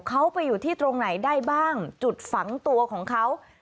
เขาไปอยู่ที่ตรงไหนได้บ้างจุดฝังตัวของเขา